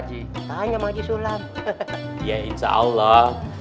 ji tanya maji sulam ya insyaallah